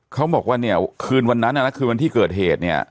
เขาบอกว่าคืนวันนั้นคือวันที่เกิดเหตุเนี่ย